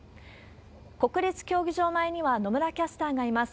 国立競技場前には野村キャスターがいます。